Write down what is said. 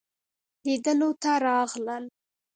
لیدلو ته راغلل.